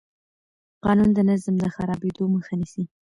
قانون د نظم د خرابېدو مخه نیسي.